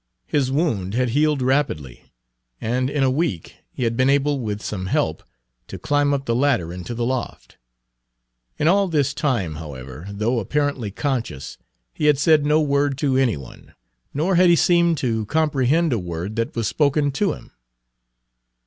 His wound had healed rapidly, and in a week he had been able with some help to climb up the ladder into the loft. In all this time, however, though apparently conscious, he had said no word to any one, nor had he seemed to comprehend a word that was spoken to him.